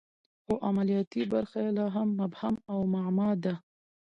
خو عملیاتي برخه یې لا هم مبهم او معما ده